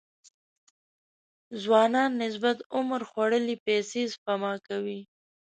ځوانانو نسبت عمر خوړلي پيسې سپما کوي.